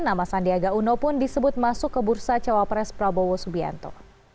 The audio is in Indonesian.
nama sandiaga uno pun disebut masuk ke bursa cawapres prabowo subianto